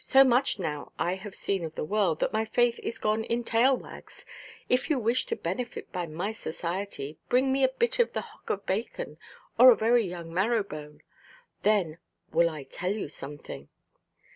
So much now I have seen of the world that my faith is gone in tail–wags. If you wish to benefit by my society, bring me a bit from the hock of bacon, or a very young marrowbone. Then will I tell you something."